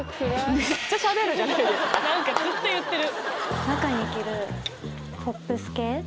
何かずっと言ってる！